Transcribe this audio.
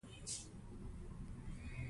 مشترکاتو او ورته والو سره بېلېږي.